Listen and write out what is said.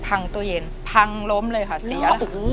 ตู้เย็นพังล้มเลยค่ะเสีย